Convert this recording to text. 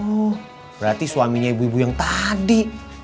oh berarti suaminya ibu ibu yang tadi